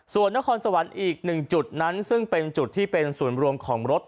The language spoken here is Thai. ส่วนนครสวรรค์อีกหนึ่งจุดนั้นซึ่งเป็นจุดที่เป็นศูนย์รวมของรถ